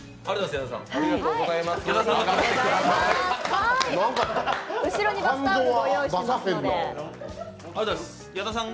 ありがとうございます、矢田さん。